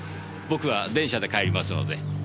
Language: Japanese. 僕は電車で帰りますので。